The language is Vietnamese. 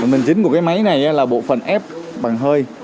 mình dính của cái máy này là bộ phần ép bằng hơi